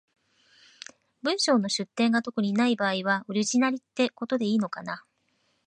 文章の出典が特にない場合は、オリジナルってことでいいのかな？